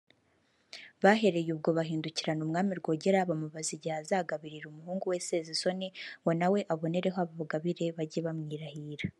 Bahereye ubwo bahindukirana Umwami Rwogera bamubaza igihe azagabirira umuhungu we Sezisoni ngo nawe abonereho abagabire bajye bamwirahira